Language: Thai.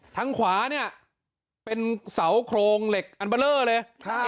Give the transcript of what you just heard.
ทางขวาเนี่ยเป็นเสาโครงเหล็กอันเบอร์เลอร์เลย